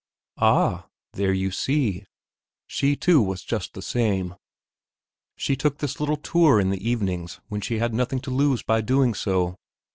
Ah, there, you see! She, too, was just the same; she took this little tour in the evenings when she had nothing to lose by doing so.